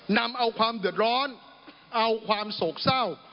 นำเอาความเดือดร้อนเอาความโศกเศร้า